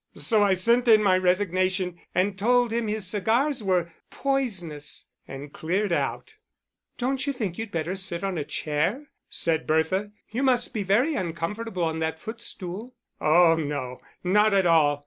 So I sent in my resignation, and told him his cigars were poisonous, and cleared out." "Don't you think you'd better sit on a chair?" said Bertha. "You must be very uncomfortable on that footstool." "Oh no, not at all.